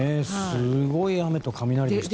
すごい雨と雷でしたね。